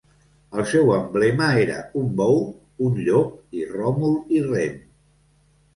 El seu emblema era un bou, un llop i Ròmul i Rem.